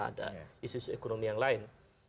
ada isu isu ekonomi yang lain